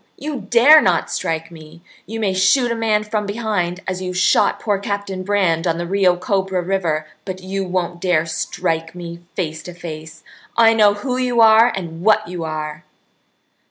You dare not strike me! You may shoot a man from behind, as you shot poor Captain Brand on the Rio Cobra River, but you won't dare strike me face to face. I know who you are and what you are!"